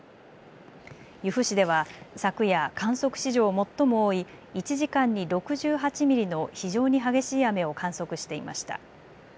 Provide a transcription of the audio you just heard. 由布市では昨夜、観測史上最も多い１時間に６８ミリの非常に激しい雨を観測していました。